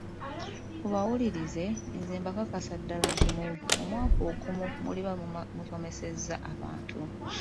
Mubawulirize, nze mbakakasiza ddala nti mu mwaka ogumu muliba musomesezza abantu.